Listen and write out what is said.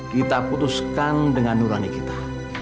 kita putuskan dengan nurani kita